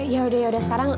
ya udah ya udah sekarang